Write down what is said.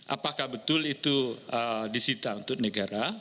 apakah betul itu disita untuk negara